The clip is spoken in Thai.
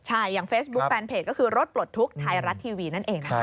ใช่อย่างเฟซบุ๊คแฟนเพจก็คือรถปลดทุกข์ไทยรัฐทีวีนั่นเองนะคะ